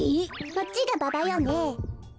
こっちがババよねえ。